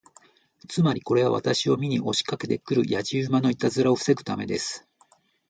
つまり、これは私を見に押しかけて来るやじ馬のいたずらを防ぐためです。